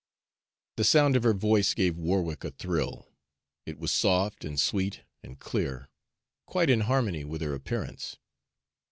The sound of her voice gave Warwick a thrill. It was soft and sweet and clear quite in harmony with her appearance.